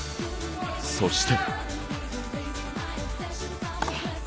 そして。